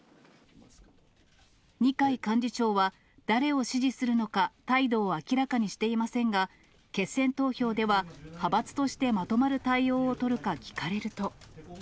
二階幹事長は誰を支持するのか、態度を明らかにしていませんが、決選投票では派閥としてまとまる対応を取るか聞かれると。